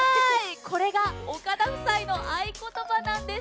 これが岡田夫妻の合言葉なんです。